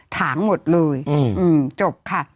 ถามหมดเลยจบค่ะ